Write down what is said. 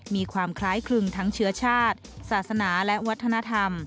มีความคล้ายคลึงทั้งเชื้อชาติศาสนาและวัฒนธรรม